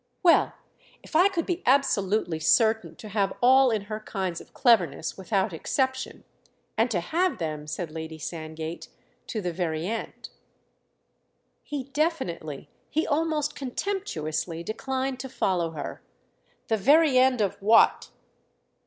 "Well, if I could be absolutely certain to have all in her kinds of cleverness without exception—and to have them," said Lady Sandgate, "to the very end." He definitely, he almost contemptuously declined to follow her. "The very end of what?"